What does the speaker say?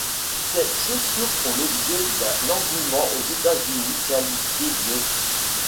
Ces chaussures font l'objet d'un engouement aux États-Unis qualifié d'.